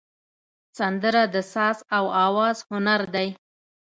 سندره د ساز او آواز هنر دی